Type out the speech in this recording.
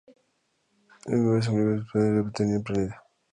El estado de salud de Emerson obligó a suspender la gira que tenían planeada.